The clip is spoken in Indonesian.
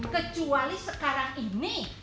kecuali sekarang ini